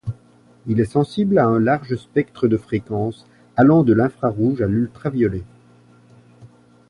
Il est sensible à un large spectre de fréquence, allant de l'infrarouge à l'ultraviolet.